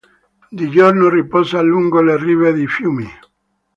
Di giorno riposa lungo le rive dei fiumi.